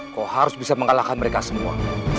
kok harus bisa mengalahkan mereka semua